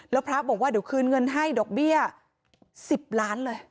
แล้วพระบอกว่าเดี๋ยวคืนเงินให้ดอกเบี้ย๑๐ล้านเลย